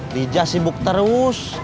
diza sibuk terus